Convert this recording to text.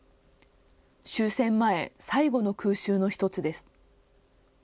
終戦前最後の空襲の１つです。